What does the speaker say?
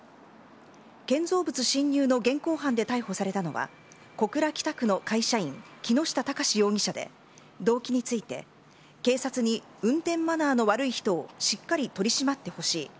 建造物侵入の現行犯で逮捕されたのは、小倉北区の会社員、木下崇容疑者で、動機について、警察に運転マナーの悪い人をしっかり取り締まってほしい。